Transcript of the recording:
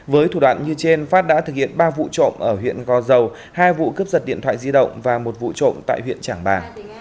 với thủ đoạn như trên phát đã thực hiện ba vụ trộm ở huyện gò dầu hai vụ cướp giật điện thoại di động và một vụ trộm tại huyện trảng bà